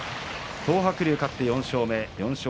東白龍勝って４勝目。